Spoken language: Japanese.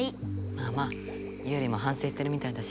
まあまあユウリもはんせいしてるみたいだし。